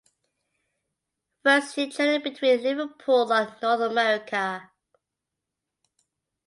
First she traded between Liverpool and North America.